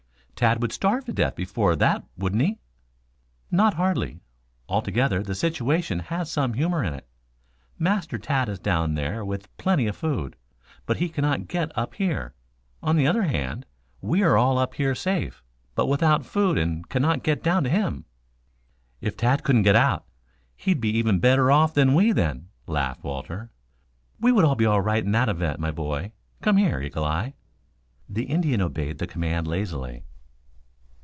Tad would starve to death before that, wouldn't he?" "Not hardly. Altogether, the situation has some humor in it. Master Tad is down there with plenty of food, but he cannot get up here. On the other hand we are up here safe, but without food and cannot get down to him." "If Tad couldn't get out, he'd be even better off than we then," laughed Walter. "We would all be all right in that event, my boy. Come here, Eagle eye." The Indian obeyed the command lazily.